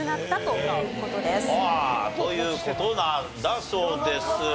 という事なんだそうです。